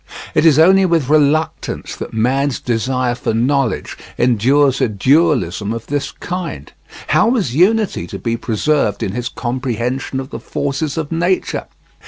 It is only with reluctance that man's desire for knowledge endures a dualism of this kind. How was unity to be preserved in his comprehension of the forces of nature?